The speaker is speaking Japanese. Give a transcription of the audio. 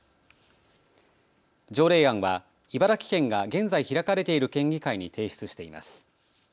条例案は茨城県が現在開かれている県議会に提出しています。